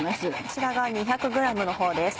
こちらが２００ｇのほうです。